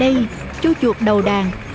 và đây chú chuột đầu đàn